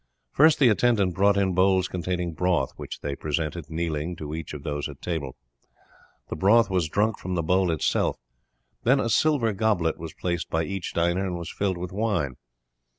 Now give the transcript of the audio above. First the attendance brought in bowls containing broth, which they presented, kneeling, to each of those at table. The broth was drunk from the bowl itself; then a silver goblet was placed by each diner, and was filled with wine.